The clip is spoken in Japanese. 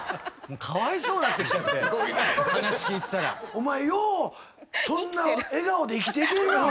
お前ようそんな笑顔で生きていけるな？